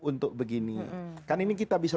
untuk begini kan ini kita bisa